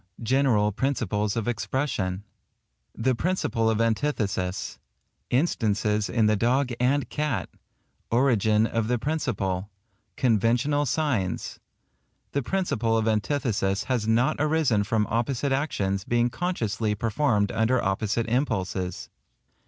GENERAL PRINCIPLES OF EXPRESSION—continued. The Principle of Antithesis—Instances in the dog and cat—Origin of the principle—Conventional signs—The principle of antithesis has not arisen from opposite actions being consciously performed under opposite impulses.